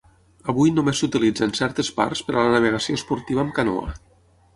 Avui només s'utilitza en certes parts per a la navegació esportiva amb canoa.